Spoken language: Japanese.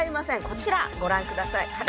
こちらご覧下さい。